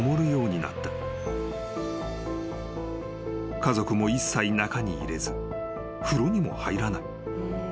［家族も一切中に入れず風呂にも入らない］